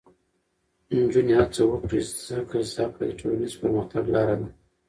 نجونې هڅه وکړي، ځکه زده کړه د ټولنیز پرمختګ لاره ده.